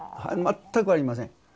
全くありません。